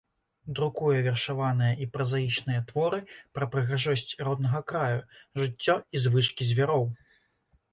Друкуе вершаваныя і празаічныя творы пра прыгажосць роднага краю, жыццё і звычкі звяроў.